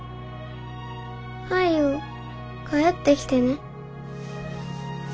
早う帰ってきてね。